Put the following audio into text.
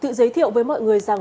tự giới thiệu với mọi người rằng